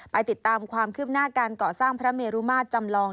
ไปติดตามความคืบหน้าการเกาะสร้างพระเมรุมาตรจำลอง